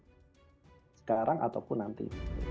sekarang ataupun nanti